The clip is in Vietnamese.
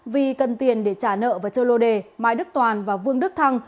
vì cần tiền để trả nợ và chơi lô đề mai đức toàn và vương đức thăng